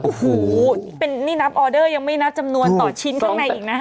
โอ้โหนี่นับออเดอร์ยังไม่นับจำนวนต่อชิ้นข้างในอีกนะ